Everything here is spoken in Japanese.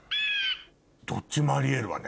どっちもあり得るわね。